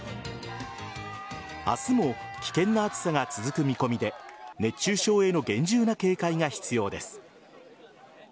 明日も危険な暑さが続く見込みで熱中症への厳重な警戒が必要です。